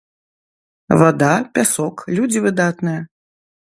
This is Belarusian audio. Вада, пясок, людзі выдатныя.